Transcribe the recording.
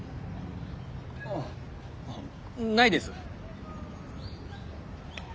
あっないです。